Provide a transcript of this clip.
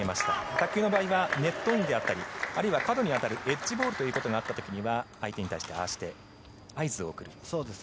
卓球の場合はネットインだったりあるいは角に当たるエッジボールがあった時には相手に対して合図を送ります。